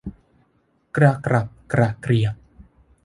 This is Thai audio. กระกรับกระเกรียบ